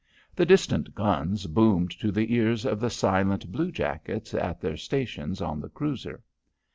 The distant guns boomed to the ears of the silent blue jackets at their stations on the cruiser.